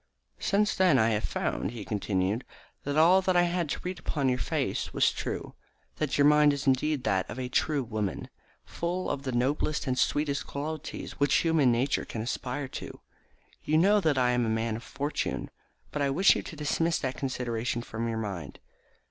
"Since then I have found," he continued, "that all that I had read upon your face was true. That your mind is indeed that of the true woman, full of the noblest and sweetest qualities which human nature can aspire to. You know that I am a man of fortune, but I wish you to dismiss that consideration from your mind.